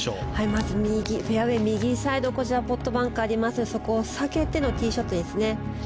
まずフェアウェー右サイドポットバンカーがありますのでそこを避けてのティーショットですね。